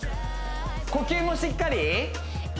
呼吸もしっかり？